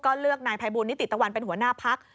ก็เลือกนายภัยบูลนิติตะวันเป็นหัวหน้าพัก